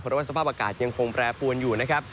เพราะว่าสภาพอากาศยังคงแปรปวนอยู่นะครับ